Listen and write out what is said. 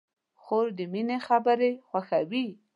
خور د مینې خبرې خوښوي.